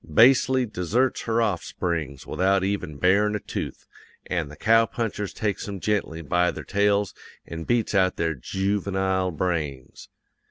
Basely deserts her offsprings without even barin' a tooth, an' the cow punchers takes 'em gently by their tails an' beats out their joovenile brains.